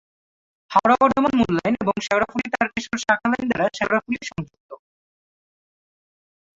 হাওড়া-বর্ধমান মূল লাইন এবং শেওড়াফুলি-তারকেশ্বর শাখা লাইন দ্বারা শেওড়াফুলি সংযুক্ত।